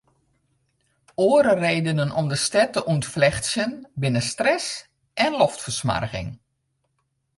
Oare redenen om de stêd te ûntflechtsjen binne stress en loftfersmoarging.